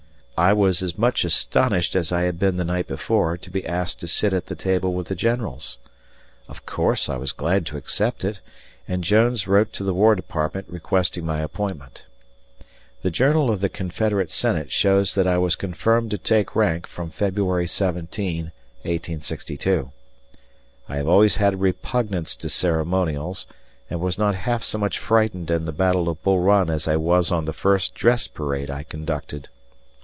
I was as much astonished as I had been the night before to be asked to sit at the table with the generals. Of course I was glad to accept it, and Jones wrote to the War Department requesting my appointment. The Journal of the Confederate Senate shows that I was confirmed to take rank from February 17, 1861. I have always had a repugnance to ceremonials and was not half so much frightened in the battle of Bull Run as I was on the first dress parade I conducted.